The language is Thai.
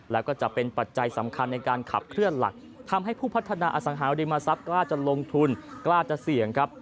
แล้วก็จะเป็นปัจจัยสำคัญในการขับเคลื่อนหลักทำให้ผู้พัฒนาอสังหาริมทรัพย์กล้าจะลงทุนกล้าจะเสี่ยงครับ